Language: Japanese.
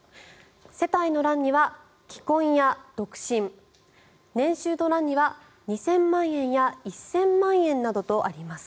世帯の欄には、既婚や独身年収の欄には２０００万円や１０００万円などとあります。